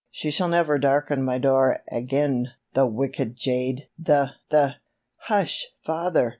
She shall never darken my door ag'in! The wicked jade! the—the——" "Hush, father!